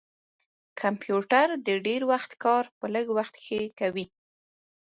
کمپیوټر د ډير وخت کار په لږ وخت کښې کوي